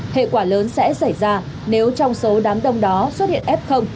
hệ quả lớn sẽ xảy ra nếu trong số đám đông đó xuất hiện f